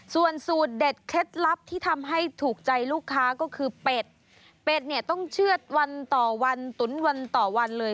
ส่วนสูตรเด็ดเคล็ดลับที่ทำให้ถูกใจลูกค้าก็คือเป็ดเป็ดเนี่ยต้องเชื่อดวันต่อวันตุ๋นวันต่อวันเลย